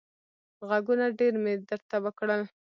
غږونه ډېر مې درته وکړل.